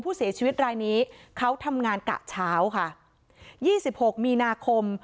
ผู้เสียชีวิตรายนี้เขาทำงานกะเช้าค่ะยี่สิบหกมีนาคม